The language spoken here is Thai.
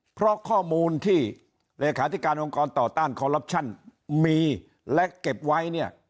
เพราะข้อมูลที่เลขาธิการองค์กรต่อต้านคอลลับชั่นมีและเก็บไว้เนี่ย